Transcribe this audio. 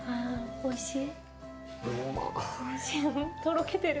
おいしい。